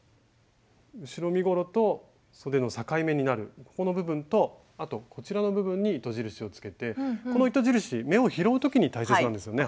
後ろ身ごろとそでの境目になるここの部分とあとこちらの部分に糸印をつけてこの糸印目を拾う時に大切なんですよね。